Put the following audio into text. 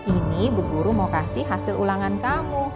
ini ibu guru mau kasih hasil ulangan kamu